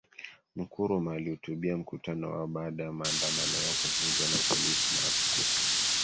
Nkrumah alihutubia mkutano wao baada ya maandamano yao kuvunjwa na polisi na watu kufa